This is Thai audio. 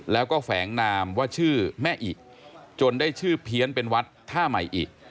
แล้วก็แฝงนามว่าชื่อแม่อิจนได้ชื่อเพี้ยนเป็นวัดท่าใหม่อิ